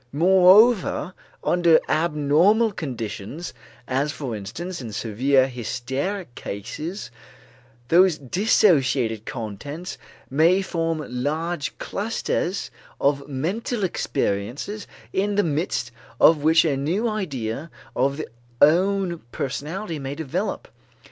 Moreover under abnormal conditions, as for instance in severe hysteric cases, those dissociated contents may form large clusters of mental experiences in the midst of which a new idea of the own personality may develop.